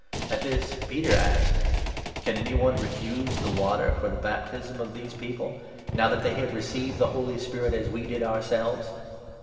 At this Peter asked : "Can any one refuse the water for the baptism of these 47 people, now that they have received the Holy Spirit as we did ourselves